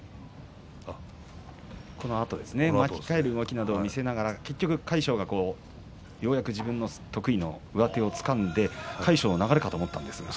巻き替える動きなどを見せながら結局、魁勝がようやく自分の得意の上手をつかんで魁勝の流れかと思ったんですが。